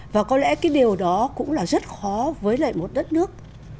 và có lẽ cái điều đó cũng là rất khó với lại một đất nước